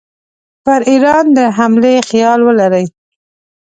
پر ایران د حملې خیال ولري.